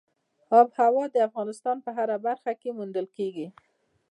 آب وهوا د افغانستان په هره برخه کې موندل کېږي.